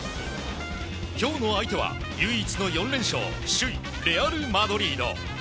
今日の相手は、唯一の４連勝首位レアル・マドリード。